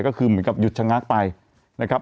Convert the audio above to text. ก็คือเหมือนกับหยุดชะงักไปนะครับ